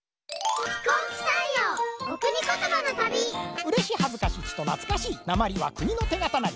うれしはずかしちとなつかしいなまりは国のてがたなり。